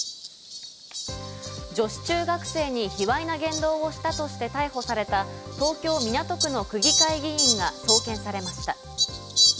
女子中学生に卑わいな言動をしたとして逮捕された東京・港区の区議会議員が送検されました。